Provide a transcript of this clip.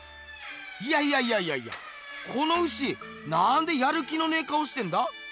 いやいやいやいやこの牛なんでやる気のねえ顔してんだ？